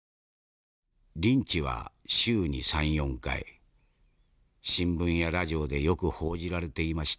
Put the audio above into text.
リンチは週に３４回新聞やラジオでよく報じられていました。